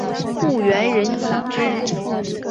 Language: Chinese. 故园人岂知？